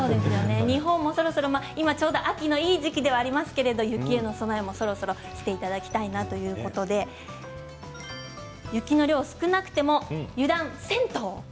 日本もそろそろ今は秋のいい時期ではありますけれども、雪への備えもそろそろしていただきたいなということで雪の量が少なくても油断せんとう。